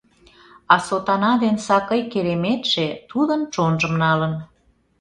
А сотана ден сакый кереметше тудын чонжым налын.